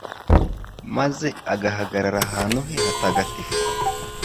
maze agahagarara ahantu he hatagatifu?